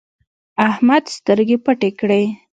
احمده سترګې پټې کړې.